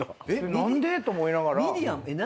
何で？と思いながら。